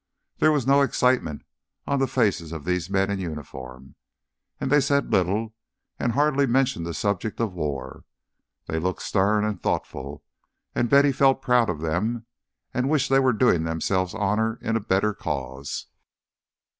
There was no excitement on the faces of these men in uniform, and they said little and hardly mentioned the subject of war. They looked stern and thoughtful; and Betty felt proud of them, and wished they were doing themselves honour in a better cause.